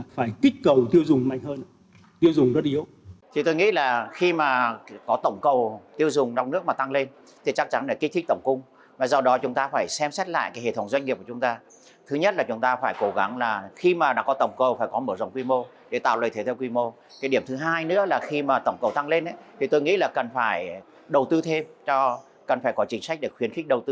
phải đầu tư thêm cần phải có chính sách để khuyến khích đầu tư vào các ngành mới để đảm bảo những nhu cầu mới